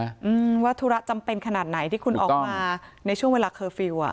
อืมว่าธุระจำเป็นขนาดไหนที่คุณออกมาในช่วงเวลาเคอร์ฟิลล์อ่ะ